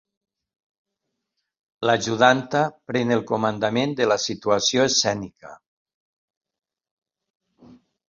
L'ajudanta pren el comandament de la situació escènica.